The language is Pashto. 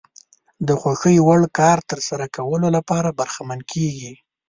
د خوښې وړ کار ترسره کولو لپاره برخمن کېږي.